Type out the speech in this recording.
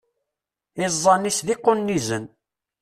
Iẓẓan-is d iqunnizen.